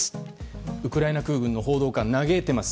ウクライナ空軍の報道官は嘆いています。